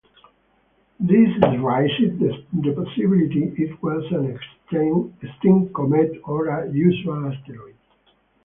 This is raised the possibility it was an extinct comet or a usual asteroid.